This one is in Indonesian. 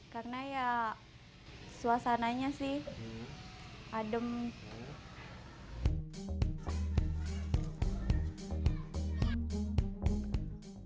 karena ya suasananya sih adem